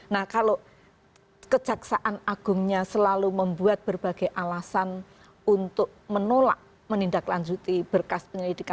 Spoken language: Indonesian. nah kalau kejaksaan agungnya selalu membuat berbagai alasan untuk menolak menindaklanjuti berkas penyelidikan